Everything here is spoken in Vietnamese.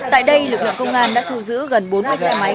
tại đây lực lượng công an đã thu giữ gần bốn mươi xe máy